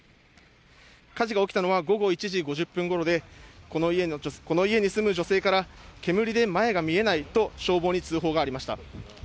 火事が起きたのは午後１時５０分ごろで、この家に住む女性から、煙で前が見えないと消防に通報がありました。